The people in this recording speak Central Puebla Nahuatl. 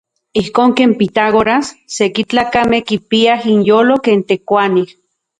Ijkon ken Pitágoras seki tlakamej kipiaj inyolo ken tekuanij.